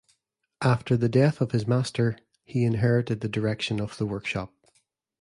After the death of his master, he inherited the direction of the workshop.